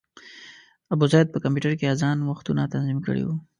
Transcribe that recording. ابوزید په کمپیوټر کې اذان وختونه تنظیم کړي وو.